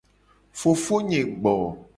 Fofonye gbo.